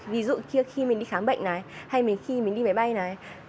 ví dụ như khi mình đi khám bệnh này hay khi mình đi máy bay này